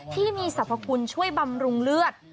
ที่มีสรรพคุณช่วยบำรุงเลือด